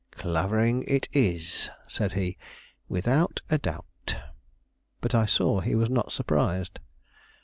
"Clavering it is," said he, "without a doubt." But I saw he was not surprised.